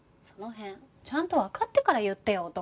その辺ちゃんとわかってから言ってよ